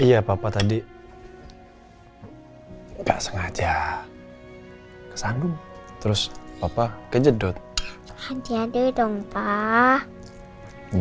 iya papa tadi nggak sengaja kesanggung terus papa kejedut hadir dong pak